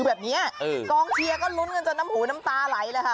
แบบนี้กองเชียร์ก็ลุ้นกันจนน้ำหูน้ำตาไหลเลยค่ะ